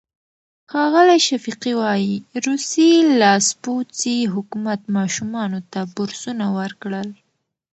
ښاغلی شفیقي وايي، روسي لاسپوڅي حکومت ماشومانو ته بورسونه ورکړل.